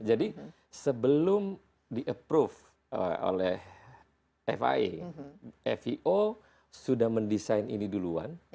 jadi sebelum di approve oleh fie fio sudah mendesain ini duluan